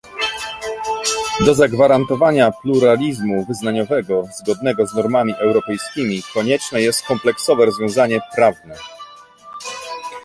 Do zagwarantowania pluralizmu wyznaniowego zgodnego z normami europejskimi konieczne jest kompleksowe rozwiązanie prawne